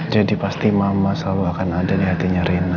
jadi pasti mama selalu akan ada di hatinya rena